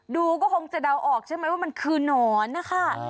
ดูจะว่ามันคือนอนนะคะ